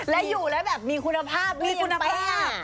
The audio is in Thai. และอยู่แล้วแบบมีคุณภาพมีคุณเป๊ะ